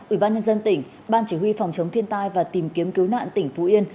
ủy ban nhân dân tỉnh ban chỉ huy phòng chống thiên tai và tìm kiếm cứu nạn tỉnh phú yên